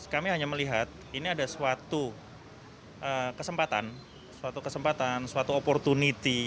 kami hanya melihat ini ada suatu kesempatan suatu kesempatan suatu opportunity